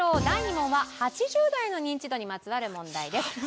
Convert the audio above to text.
第２問は８０代のニンチドにまつわる問題です。